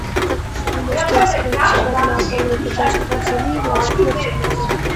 Так что вы можете рассчитывать на полную поддержку Бразилии в ваших начинаниях.